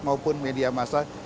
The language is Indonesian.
maupun media masyarakat